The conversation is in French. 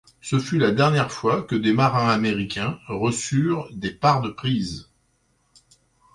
Ce fut la dernière fois que des marins américains reçurent des parts de prise.